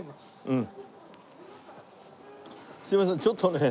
うん。